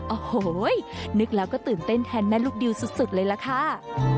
โอ้โหนึกแล้วก็ตื่นเต้นแทนแม่ลูกดิวสุดเลยล่ะค่ะ